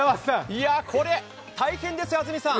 これ、大変ですよ安住さん。